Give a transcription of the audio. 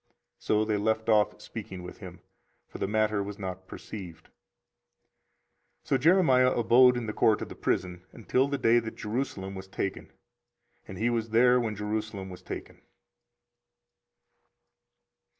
So they left off speaking with him; for the matter was not perceived. 24:038:028 So Jeremiah abode in the court of the prison until the day that Jerusalem was taken: and he was there when Jerusalem was taken.